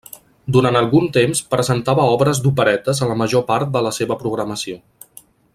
Durant algun temps presentava obres d'operetes a la major part de la seva programació.